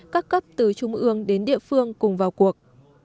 các cấp từ trung ương đến địa phương cùng vào cuộc